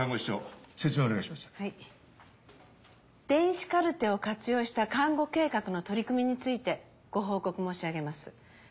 電子カルテを活用した看護計画の取り組みについてご報告申し上げます。